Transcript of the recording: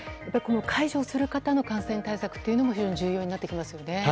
介助する方の感染対策も非常に重要になってきますね。